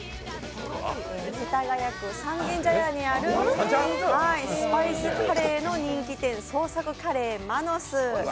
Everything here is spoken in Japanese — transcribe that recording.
世田谷区三軒茶屋にあるスパイスカレーの人気店、創作カレーＭＡＮＯＳ。